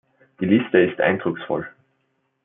Die Liste ist eindrucksvoll.